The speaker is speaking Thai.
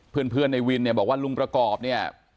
เพื่อนในวินเนี่ยบอกว่าลุงประกอบเนี่ย